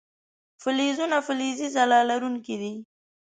فلزونه فلزي ځلا لرونکي دي.